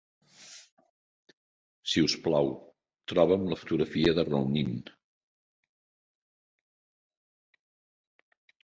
Si us plau, troba'm la fotografia de Rounin.